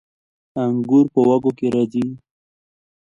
انګور په وږو کې راځي